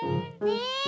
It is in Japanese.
ねえ。